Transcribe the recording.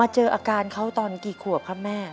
เจออาการเขาตอนกี่ขวบครับแม่